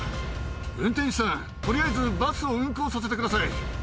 運転手さん、とりあえず、バスを運行させてください。